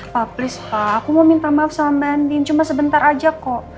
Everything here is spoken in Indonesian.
pak please pak aku mau minta maaf sama andien cuma sebentar aja kok